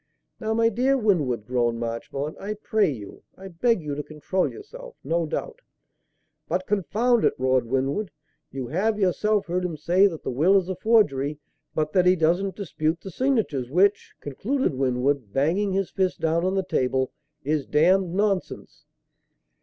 "Now, my dear Winwood," groaned Marchmont, "I pray you I beg you to control yourself. No doubt " "But confound it!" roared Winwood, "you have, yourself, heard him say that the will is a forgery, but that he doesn't dispute the signatures; which," concluded Winwood, banging his fist down on the table, "is damned nonsense."